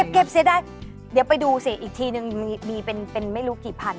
เสียดายเดี๋ยวไปดูสิอีกทีนึงมีเป็นไม่รู้กี่พัน